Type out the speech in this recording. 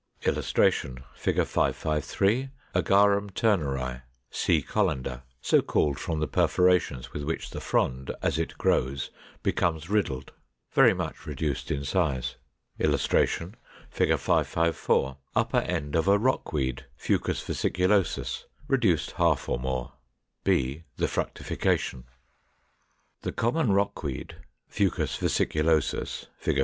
[Illustration: Fig. 553. Agarum Turneri, Sea Colander (so called from the perforations with which the frond, as it grows, becomes riddled); very much reduced in size.] [Illustration: Fig. 554. Upper end of a Rockweed, Fucus vesiculosus, reduced half or more, b, the fructification.] 508. The common Rockweed (Fucus vesiculosus, Fig.